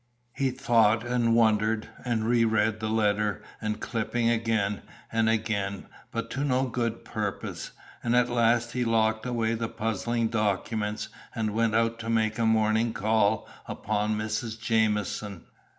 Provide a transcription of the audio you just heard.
He thought and wondered, and re read letter and clipping again and again, but to no good purpose, and at last he locked away the puzzling documents and went out to make a morning call upon Mrs. Jamieson.